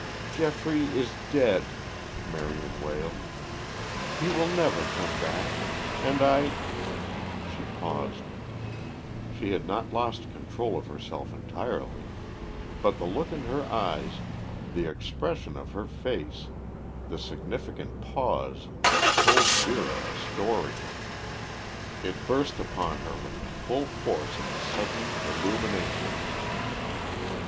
"Geoffrey is dead," Marion wailed. "He will never come back. And I " She paused; she had not lost control of herself entirely. But the look in her eyes, the expression of her face, the significant pause told Vera a story. It burst upon her with the full force of a sudden illumination.